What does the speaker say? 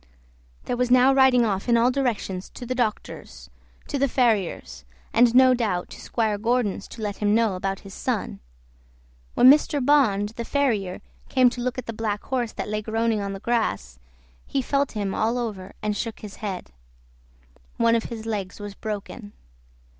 There was now riding off in all directions to the doctor's, to the farrier's, and no doubt to Squire Gordon's, to let him know about his son. When Mr. Bond, the farrier, came to look at the black horse that lay groaning on the grass, he felt him all over, and shook his head; one of his legs was broken.